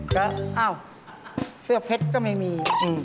ก็เสื้อเพชรก็ไม่มี